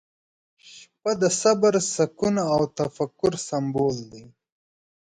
• شپه د صبر، سکون، او تفکر سمبول دی.